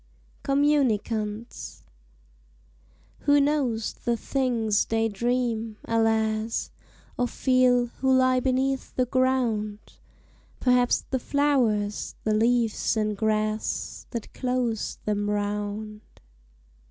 COMMUNICANTS Who knows the things they dream, alas! Or feel, who lie beneath the ground? Perhaps the flowers, the leaves, and grass That close them round.